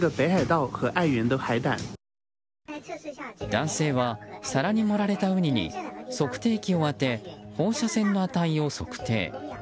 男性は皿に盛られたウニに測定器を当て放射線の値を測定。